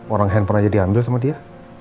orang handphone aja diambil sama dia